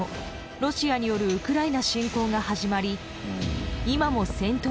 ロシアによるウクライナ侵攻が始まり